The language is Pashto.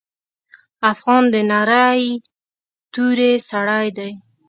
افغان د نرۍ توري سړی دی.